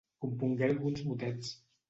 Compongué alguns motets.